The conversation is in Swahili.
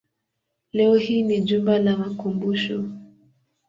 Leo hii ni jumba la makumbusho.